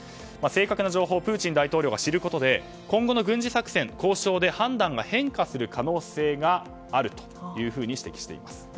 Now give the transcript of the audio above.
正確な情報をプーチン大統領が知ることで今後の軍事作戦交渉で判断が変化する可能性があるというふうに指摘しています。